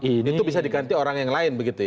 itu bisa diganti orang yang lain begitu ya